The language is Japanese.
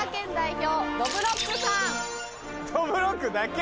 どぶろっくだけ？